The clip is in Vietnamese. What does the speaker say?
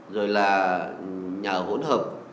rồi là nhà hỗn hợp